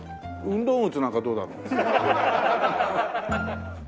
運動靴なんかどうだろう？